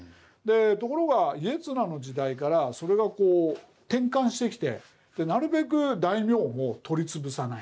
ところが家綱の時代からそれが転換してきてなるべく大名も取り潰さない。